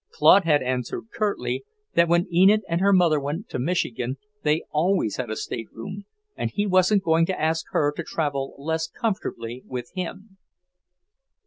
Claude had answered curtly that when Enid and her mother went to Michigan they always had a stateroom, and he wasn't going to ask her to travel less comfortably with him.